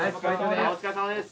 お疲れさまです。